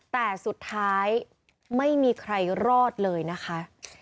แต่สุดท้ายไม่มีใครรอดเลยนะคะ